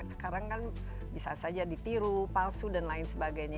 sekarang kan bisa saja ditiru palsu dan lain sebagainya